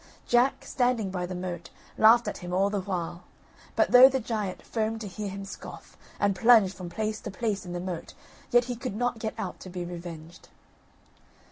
Jack, standing by the moat, laughed at him all the while; but though the giant foamed to hear him scoff, and plunged from place to place in the moat, yet he could not get out to be revenged.